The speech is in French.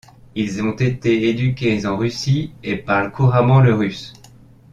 Ils ont été éduqués en Russie et parlent couramment le russe.